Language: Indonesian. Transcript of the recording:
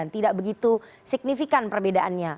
tidak begitu signifikan perbedaannya